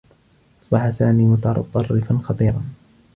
أصبح سامي متطرّفا خطيرا.